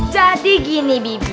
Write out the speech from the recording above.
jadi gini bibi